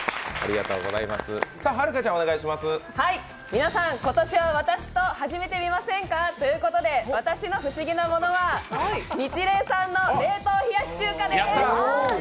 皆さん、今年は私と始めてみませんか？ということで、私の不思議なものはニチレイさんの冷凍冷やし中華です！